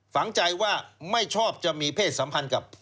ฝังใจว่าไม่ชอบจะมีเพศสัมพันธ์กับ